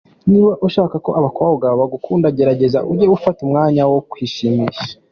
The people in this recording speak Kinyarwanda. Niba ushaka ko abakobwa bagukunda, gerageza ujye ufata umwanya wo kwishimisha.